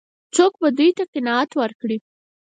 څوک به دوی ته قناعت ورکړي؟